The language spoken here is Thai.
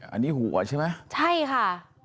อันนี้หัวใช่ไหมใช่ค่ะ